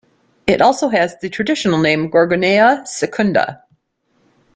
It also has the traditional name Gorgonea Secunda.